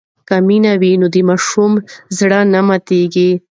که مینه وي نو د ماشوم زړه نه ماتېږي.